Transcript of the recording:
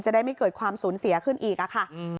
ได้ไม่เกิดความสูญเสียขึ้นอีกค่ะ